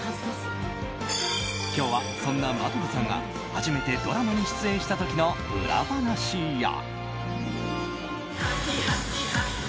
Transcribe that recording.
今日はそんな真飛さんが初めてドラマに出演した時の裏話や。